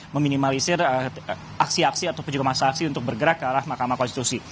meminimalisir aksi aksi ataupun juga masa aksi untuk bergerak ke arah mahkamah konstitusi